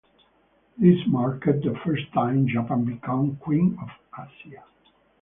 This marked the first time Japan become "Queen of Asia".